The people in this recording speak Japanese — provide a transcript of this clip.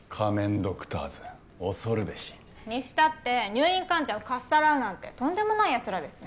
ドクターズ恐るべしにしたって入院患者をかっさらうなんてとんでもないやつらですね